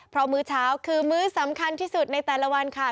เพราะมื้อเช้าคือมื้อสำคัญที่สุดในแต่ละวันค่ะ